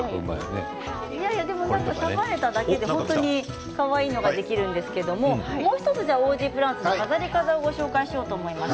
束ねただけでかわいいのができるんですけどもう１つオージープランツの飾り方をご紹介しようと思います。